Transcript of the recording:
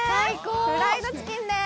フライドチキンです。